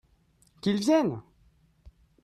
Qu'il vienne !